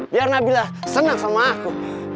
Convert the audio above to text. biar nabilah senang sama aku